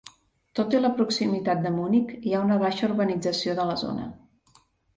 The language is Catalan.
Tot i la proximitat de Munic hi ha una baixa urbanització de la zona.